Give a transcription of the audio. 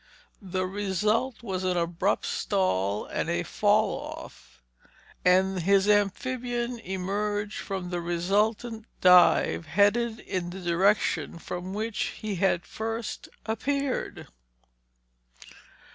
The result was an abrupt stall and a fall off, and his amphibian emerged from the resultant dive headed in the direction from which he had first appeared.